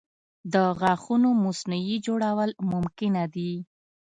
د غاښونو مصنوعي جوړول ممکنه دي.